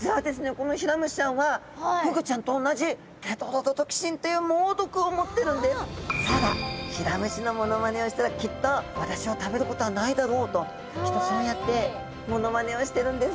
このヒラムシちゃんは「そうだヒラムシのモノマネをしたらきっと私を食べることはないだろう」ときっとそうやってモノマネをしてるんですね。